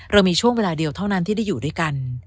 เรามีช่วงเวลาเดียวเท่านั้นที่ได้อยู่ด้วยกัน